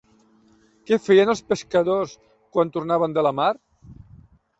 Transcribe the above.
Què feien els pescadors quan tornaven de la mar?